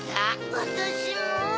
わたしも。